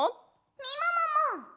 みももも！